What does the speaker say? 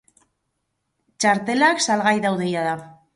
Txartelak salgai daude jada.